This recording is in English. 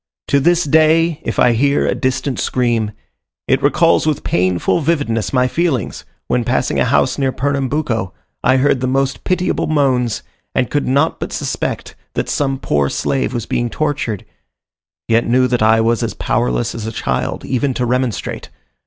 To this day, if I hear a distant scream, it recalls with painful vividness my feelings, when passing a house near Pernambuco, I heard the most pitiable moans, and could not but suspect that some poor slave was being tortured, yet knew that I was as powerless as a child even to remonstrate.